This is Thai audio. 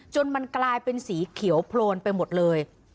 มันกลายเป็นสีเขียวโพลนไปหมดเลย